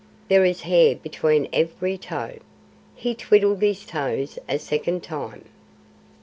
There is hair between every toe!" He twiddled his toes a second time.